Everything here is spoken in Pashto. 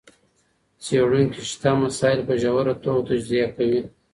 څېړونکي شته مسایل په ژوره توګه تجزیه کوي.